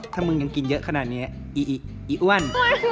ถ้ามึงยังกินเยอะขนาดนี้อีอิอีอ้วน